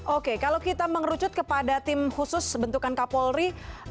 oke kalau kita mengerucut kepada tim khusus bentukan kapolri